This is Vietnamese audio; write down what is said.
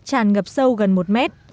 tràn ngập sâu gần một mét